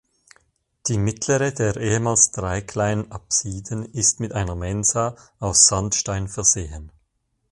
Die mittlere der ehemals drei kleinen Apsiden ist mit einer Mensa aus Sandstein versehen.